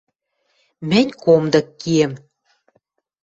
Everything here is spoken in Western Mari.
Мӹнь комдык киэм.